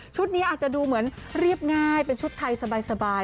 นี้อาจจะดูเหมือนเรียบง่ายเป็นชุดไทยสบาย